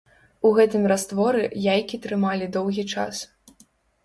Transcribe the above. У гэтым растворы яйкі трымалі доўгі час.